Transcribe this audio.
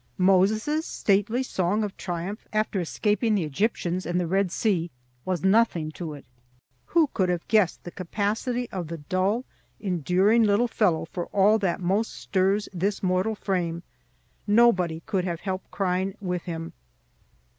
Moses' stately song of triumph after escaping the Egyptians and the Red Sea was nothing to it. Who could have guessed the capacity of the dull, enduring little fellow for all that most stirs this mortal frame? Nobody could have helped crying with him!